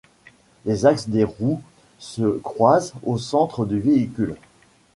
Les axes des roues se croisent au centre du véhicule.